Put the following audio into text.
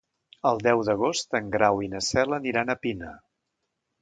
El deu d'agost en Grau i na Cel aniran a Pina.